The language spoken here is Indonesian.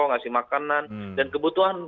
ngasih makanan dan kebutuhan